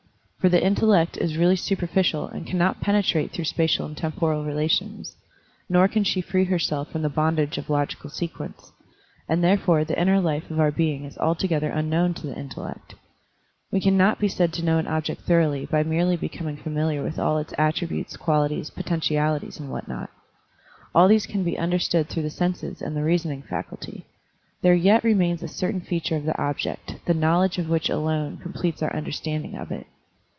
For the intellect is really superficial and cannot penetrate through spatial and temporal relations, nor can she free herself from the bondage of logical sequence; and therefore the inner life of our being is altogether unknown to the intellect. We cannot be said to know an object thoroughly by merely becoming familiar with all its attri butes, qualities, potentialities, and what not. Digitized by Google SPIRITUAL ENLIGHTENMENT 135 All these can be understood through the senses and the reasoning faculty. There yet remains a certain feature of the object, the knowledge of which alone completes our understanding of it.